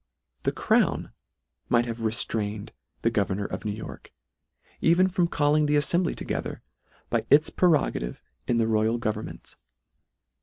The crown might have restrained the governor of New York, even from calling the aflembly toge ther, by its prerogative in the royal govern ments.